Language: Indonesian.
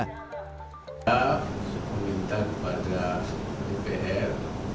kita meminta kepada dpr